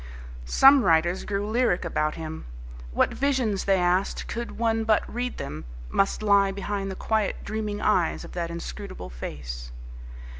Some writers grew lyric about him. What visions, they asked, could one but read them, must lie behind the quiet, dreaming eyes of that inscrutable face?